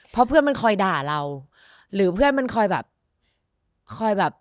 เพราะเพื่อนมันคอยด่าเราหรือเพื่อนมันคอยแบบคอยแบบ